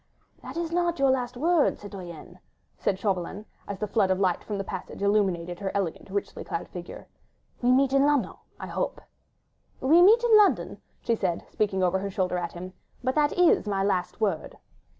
"That is not your last word, citoyenne," said Chauvelin, as a flood of light from the passage illumined her elegant, richly clad figure, "we meet in London, I hope!" "We meet in London," she said, speaking over her shoulder at him, "but that is my last word."